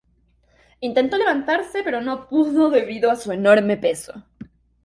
Intentó levantarse, pero no pudo, debido a su enorme peso.